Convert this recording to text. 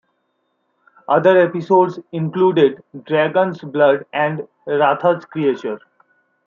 Other episodes included "Dragon's Blood" and "Ratha's Creature".